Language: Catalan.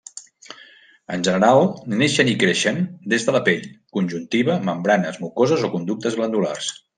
En general neixen i creixen des de la pell, conjuntiva, membranes mucoses o conductes glandulars.